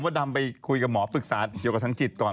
ดำไปคุยกับหมอปรึกษาเกี่ยวกับทางจิตก่อน